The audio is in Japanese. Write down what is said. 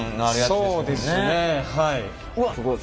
そうですねはい。